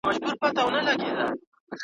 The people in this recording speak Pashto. مئينه زړهٔ! د ناصحانو قيـــصې مـــــه اوره ځه